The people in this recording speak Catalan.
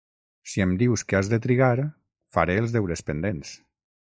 Si em dius que has de trigar, faré els deures pendents.